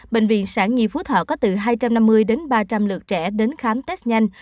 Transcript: bệnh viện sản nhi phú thọ có từ hai trăm năm mươi đến ba trăm linh lượt trẻ đến khám test nhanh